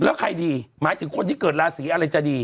แล้วใครดีหมายถึงคนที่เกิดราศีอะไรจะดี